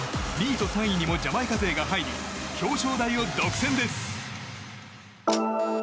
２位と３位にもジャマイカ勢が入り表彰台を独占です。